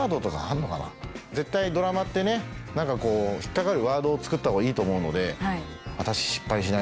絶対ドラマってね引っ掛かるワードを作ったほうがいいと思うので。